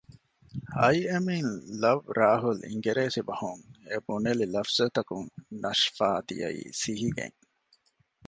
އައި އެމް އިން ލަވް ރާހުލް އިނގިރޭސި ބަހުން އެ ބުނެލި ލަފްޒުތަކުން ނަޝްފާ ދިއައީ ސިހިގެން